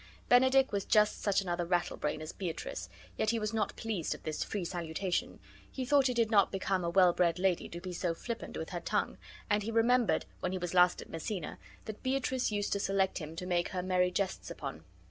Benedick was just such another rattlebrain as Beatrice, yet he was not pleased at this free salutation; he thought it did not become a well bred lady to be so flippant with her tongue; and he remembered, when he was last at Messina, that Beatrice used to select him to make her merry jests upon.